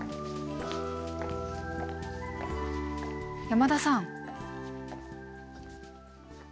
山田さん。